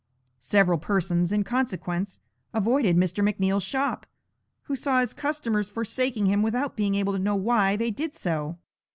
Several persons in consequence avoided Mr. McNeal's shop, who saw his customers forsaking him without being able to know why they did so.